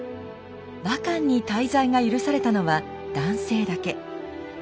倭館に滞在が許されたのは男性だけ。